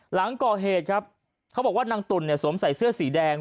หลังก่อเหตุครับเขาบอกว่านางตุ่นเนี่ยสวมใส่เสื้อสีแดง